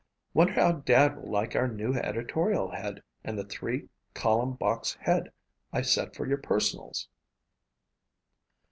"Wonder how Dad will like our new editorial head and the three column box head I set for your personals?"